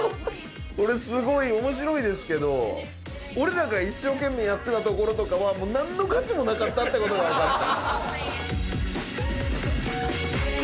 これすごい面白いですけど俺らが一生懸命やってたところとかはなんの価値もなかったって事がわかった。